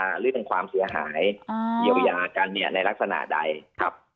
หรือเป็นความเสียหายอ่าเยียวยากันเนี่ยในลักษณะใดครับ